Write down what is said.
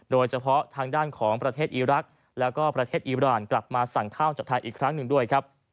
โดยเฉพาะทางด้านของประเทศอีรักษ์แล้วก็ประเทศอีรานกลับมาสั่งข้าวจากไทยอีกครั้งหนึ่งด้วยครับ